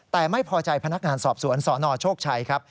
แต่ไม่พอใจพนักงานสอบสวนสนโชคชัยครับ